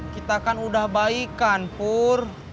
kita kan udah baik kan pur